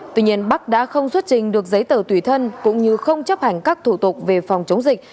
tuy nhiên bắc đã không xuất trình được giấy tờ tùy thân cũng như không chấp hành các thủ tục về phòng chống dịch